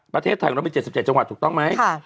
ประเทศไทยเรามีเจ็ดสิบเจ็ดจังหวัดถูกต้องไหมค่ะ